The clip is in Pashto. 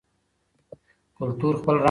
کلتور خپل رنګ ساتي.